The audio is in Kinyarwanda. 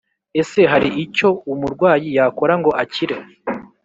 Ese hari icyo umurwayi yakora ngo akire